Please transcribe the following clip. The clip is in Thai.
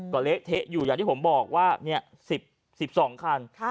ก็เละเทะอยู่อย่างที่ผมบอกว่า๑๒คัน